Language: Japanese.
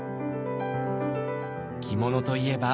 着物といえば絹。